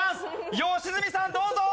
良純さんどうぞー！